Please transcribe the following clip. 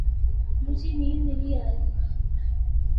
مجھے نیند نہیں آ رہی۔